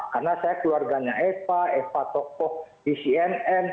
karena saya keluarganya eva eva tokoh di cnn